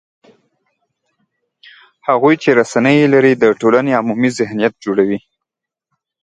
هغوی چې رسنۍ یې لري، د ټولنې عمومي ذهنیت جوړوي